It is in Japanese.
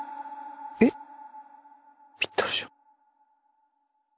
ぴったりじゃん。